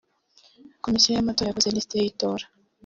Komisiyo y’amatora yakoze lisiti y’itora